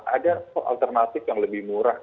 ada alternatif yang lebih murah